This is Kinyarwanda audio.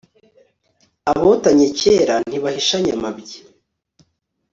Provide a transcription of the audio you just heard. abotanye kera ntibahishanya amabya